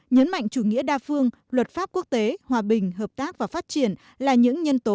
nhấn mạnh chủ nghĩa đa phương luật pháp quốc tế hòa bình hợp tác và phát triển là những nhân tố